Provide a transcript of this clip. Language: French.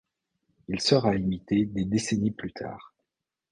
Il sera imité des décennies plus tard.